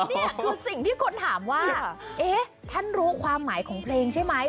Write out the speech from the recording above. นี่คือสิ่งที่คนถามว่าเอ๊ะท่านรู้ความหมายของเพลงใช่ไหม